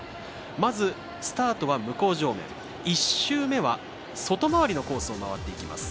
まずスタートは向こう場へ１周目は、外回りのコースを回っていきます。